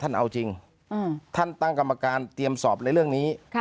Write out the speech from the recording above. เอาจริงท่านตั้งกรรมการเตรียมสอบในเรื่องนี้